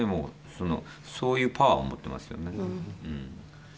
そういうパワーを持っていますよね。